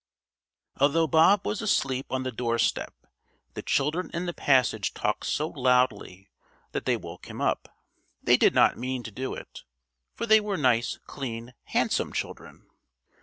Although Bob was asleep on the doorstep the children in the passage talked so loudly that they woke him up. They did not mean to do it, for they were nice, clean, handsome children.